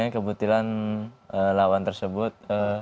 kebetulan lawan tersebut